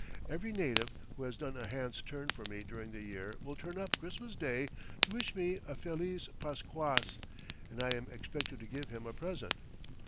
Every native who has done a hand's turn for me during the year will turn up Christmas Day to wish me a feliz Pasquas, and I am expected to give him a present.